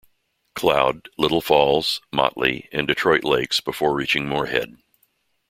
Cloud, Little Falls, Motley, and Detroit Lakes before reaching Moorhead.